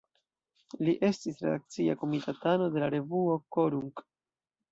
Li estis redakcia komitatano de revuo "Korunk".